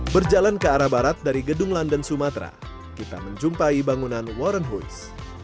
berjalan ke arah barat dari gedung london sumatera kita menjumpai bangunan warrenhoes